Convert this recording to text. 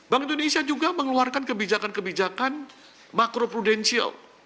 bank indonesia juga mengeluarkan kebijakan kebijakan makro prudensial